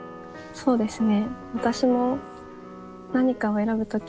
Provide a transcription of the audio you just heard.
そうですね。